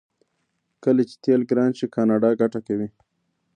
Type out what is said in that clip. کله چې تیل ګران شي کاناډا ګټه کوي.